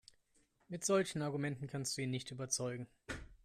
Mit solchen Argumenten kannst du ihn nicht überzeugen.